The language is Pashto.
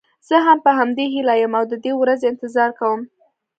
زه هم په همدې هیله یم او د دې ورځې انتظار کوم.